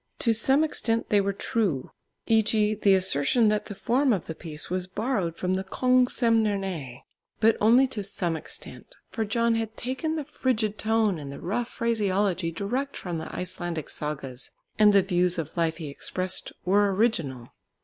To some extent they were true, e.g. the assertion that the form of the piece was borrowed from the Kongsemnerne, but only to some extent, for John had taken the frigid tone and the rough phraseology direct from the Icelandic sagas, and the views of life he expressed were original.